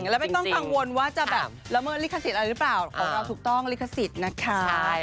แล้วไม่ต้องกังวลว่าจะแบบละเมิดลิขสิทธิ์อะไรหรือเปล่าของเราถูกต้องลิขสิทธิ์นะคะ